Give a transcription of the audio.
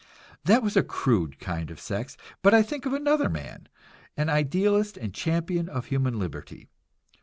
That was a crude kind of sex; but I think of another man, an idealist and champion of human liberty.